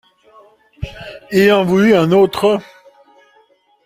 Il en voulut un autre.